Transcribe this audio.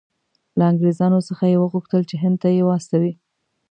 له انګریزانو څخه یې وغوښتل چې هند ته یې واستوي.